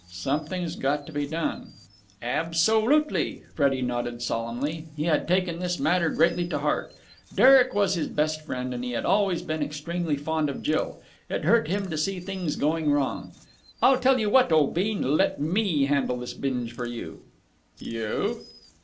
"Something's got to be done." "Absolutely!" Freddie nodded solemnly. He had taken this matter greatly to heart. Derek was his best friend, and he had always been extremely fond of Jill. It hurt him to see things going wrong. "I'll tell you what, old bean. Let me handle this binge for you." "You?"